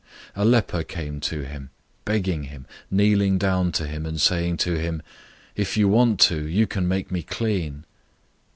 001:040 A leper came to him, begging him, kneeling down to him, and saying to him, "If you want to, you can make me clean."